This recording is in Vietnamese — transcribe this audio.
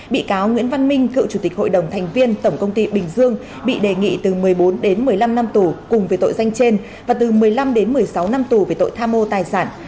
bị cáo nguyễn văn minh cựu chủ tịch hội đồng thành viên tổng công ty bình dương bị đề nghị từ một mươi bốn đến một mươi năm năm tù cùng với tội danh trên và từ một mươi năm đến một mươi sáu năm tù về tội tham mô tài sản